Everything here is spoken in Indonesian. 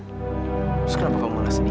terus kenapa kamu malah sedih